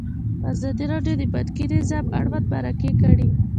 ازادي راډیو د بانکي نظام اړوند مرکې کړي.